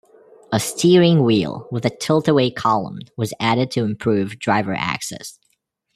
A steering wheel with a tilt-away column was added to improve driver access.